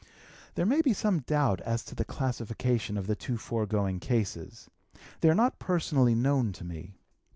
There may be some doubt as to the classification of the two foregoing cases: they are not personally known to me.